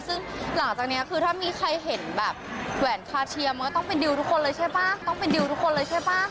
ซึ่งหลังจากนี้คือถ้ามีใครเห็นแบบแหวนคาเทียมมันก็ต้องเป็นดิวทุกคนเลยใช่ป่ะต้องเป็นดิวทุกคนเลยใช่ป่ะ